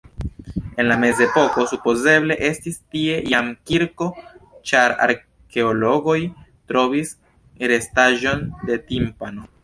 En la mezepoko supozeble estis tie jam kirko, ĉar arkeologoj trovis restaĵon de timpano.